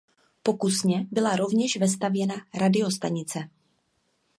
Pokusně byla rovněž vestavěna radiostanice.